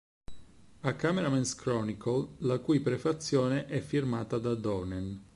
A Cameraman's Chronicle", la cui prefazione è firmata da Donen.